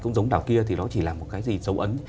cũng giống đảo kia thì nó chỉ là một cái gì dấu ấn